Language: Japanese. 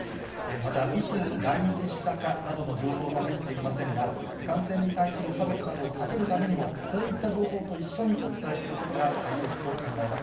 また、いつ来日したかなどの情報が入っていませんが、感染に対する差別などを避けるためにも、こういった情報と一緒にお伝えすることが大切と考えます。